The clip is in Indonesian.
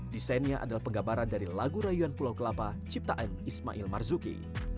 desainnya adalah penggabaran dari lagu rayuan pulau kelapa ciptaan ismail marzuki